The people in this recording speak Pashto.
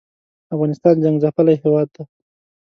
افغانستان جنګ څپلی هېواد دی